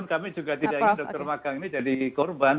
kami juga tidak ingin dokter magang ini jadi korban